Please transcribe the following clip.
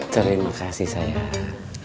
terima kasih sayang